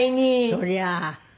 そりゃあ。